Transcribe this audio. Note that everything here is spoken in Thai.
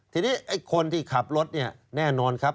ทีนี้ไอ้คนที่ขับรถเนี่ยแน่นอนครับ